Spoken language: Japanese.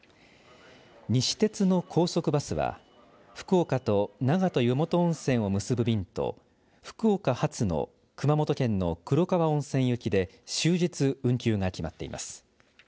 西鉄の高速バスは福岡と長門湯本温泉を結ぶ便と福岡発の熊本県の黒川温泉行きで終日、運休が決まっています。